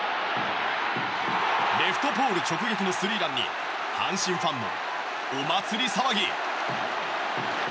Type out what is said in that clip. レフトポール直撃のスリーランに阪神ファンもお祭り騒ぎ！